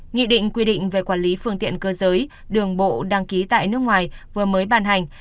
nghị định quy định về quản lý phương tiện cơ giới đường bộ đăng ký tại nước ngoài vừa mới ban hành